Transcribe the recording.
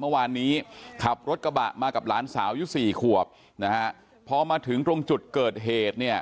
เมื่อวานนี้ขับรถกระบะมากับหลานสาวยุคสี่ขวบนะฮะพอมาถึงตรงจุดเกิดเหตุเนี่ย